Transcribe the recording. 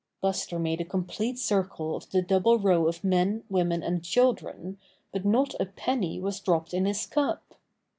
Buster made a complete circle of the double row of men, women and children, but not a penny was dropped in his cup.